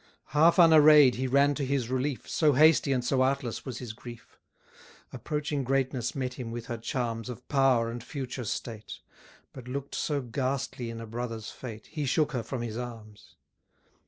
Half unarray'd he ran to his relief, So hasty and so artless was his grief: Approaching greatness met him with her charms Of power and future state; But look'd so ghastly in a brother's fate, He shook her from his arms.